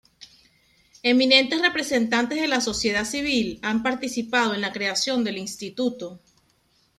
Eminentes representantes de la sociedad civil han participado en la creación del instituto.